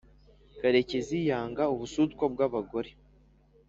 karekezi yanga ubusutwa bwa bagore